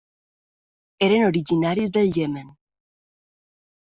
Eren originaris del Iemen.